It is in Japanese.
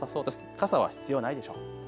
傘は必要ないでしょう。